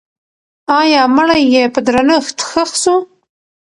آیا مړی یې په درنښت ښخ سو؟